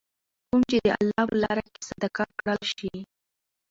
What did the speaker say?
کوم چې د الله په لاره کي صدقه کړل شي .